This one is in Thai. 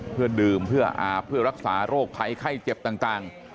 เพื่อดื่มเพื่ออาบเพื่อรักษาโรคภัยไข้เจ็บต่าง